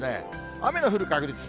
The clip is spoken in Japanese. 雨の降る確率。